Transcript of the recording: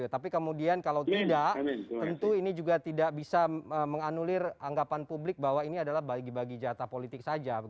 tapi kemudian kalau tidak tentu ini juga tidak bisa menganulir anggapan publik bahwa ini adalah bagi bagi jatah politik saja